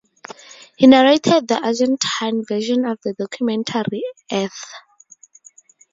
He narrated the Argentine version of the documentary "Earth".